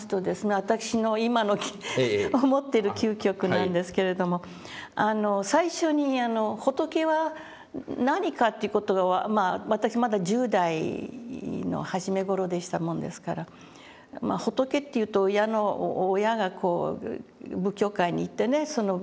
私の今の思ってる究極なんですけれども最初に「仏は何か」っていう事が私まだ１０代の初め頃でしたもんですから仏っていうと親がこう仏教会に行ってね金ピカの。